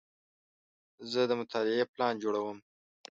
زه د مطالعې پلان جوړوم.